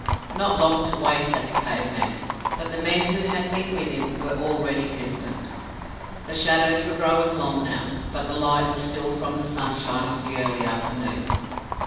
Not long to wait had the cave man, but the men who had been with him were already distant. The shadows were growing long now, but the light was still from the sunshine of the early afternoon.